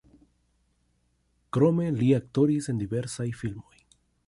Krome li aktoris en diversaj filmoj.